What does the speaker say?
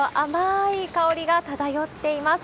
い香りが漂っています。